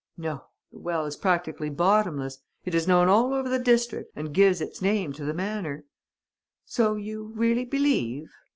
"No. The well is practically bottomless. It is known all over the district and gives its name to the manor." "So you really believe